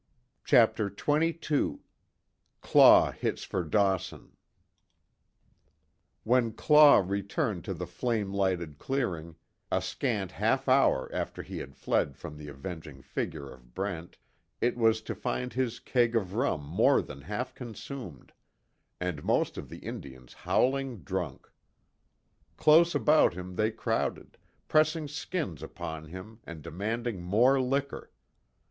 CHAPTER XXII CLAW HITS FOR DAWSON When Claw returned to the flame lighted clearing, a scant half hour after he had fled from the avenging figure of Brent, it was to find his keg of rum more than half consumed, and most of the Indians howling drunk. Close about him they crowded, pressing skins upon him and demanding more liquor.